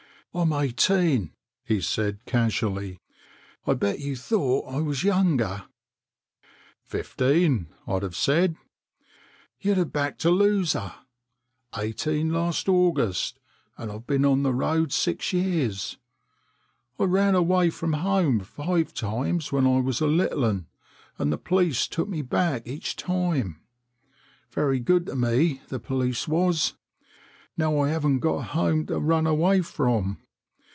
"I'm eighteen," he said casually. "I bet you thought I was younger." 7 82 ON THE BRIGHTON ROAD " Fifteen, I'd have said." " You'd have backed a loser. Eighteen last August, and I've been on the road six years. T ran away from home five times when I was a little 'un, and the police took me back each time. Very good to me, the police was. Now I haven't got a home to run away from."